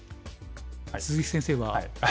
鈴木先生は。